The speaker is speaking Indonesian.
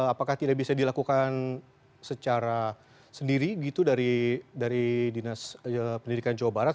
apakah tidak bisa dilakukan secara sendiri gitu dari dinas pendidikan jawa barat